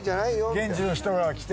現地の人が来て。